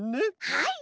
はい！